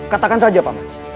katakan saja paman